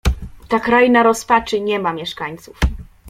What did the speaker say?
"Ta kraina rozpaczy nie ma mieszkańców."